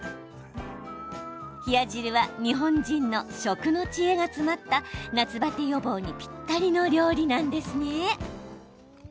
冷や汁は日本人の食の知恵が詰まった夏バテ予防にぴったりの料理なんですね。